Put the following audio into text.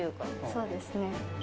そうですね。